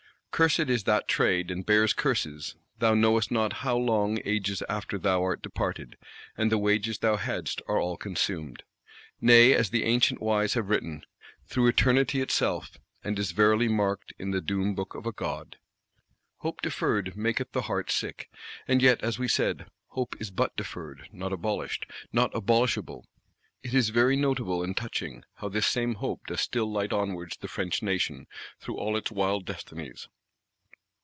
Cursed is that trade; and bears curses, thou knowest not how, long ages after thou art departed, and the wages thou hadst are all consumed; nay, as the ancient wise have written,—through Eternity itself, and is verily marked in the Doom Book of a God! Hope deferred maketh the heart sick. And yet, as we said, Hope is but deferred; not abolished, not abolishable. It is very notable, and touching, how this same Hope does still light onwards the French Nation through all its wild destinies.